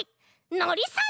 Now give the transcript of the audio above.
のりさん？